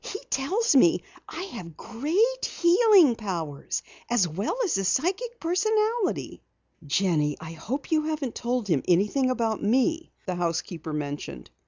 "He tells me that I have great healing powers as well as a psychic personality." "Jenny, I hope you haven't told him anything about me," the housekeeper mentioned.